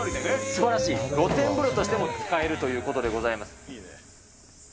すばらしい、露天風呂としても使えるということでございます。